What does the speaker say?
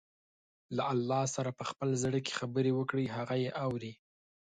له الله سره په خپل زړه کې خبرې وکړئ، هغه يې اوري.